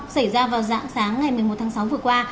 xảy ra vào dạng sáng ngày một mươi một tháng sáu vừa qua